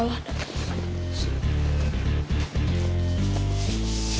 atuk mahud neng